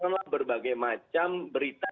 dengan berbagai macam berita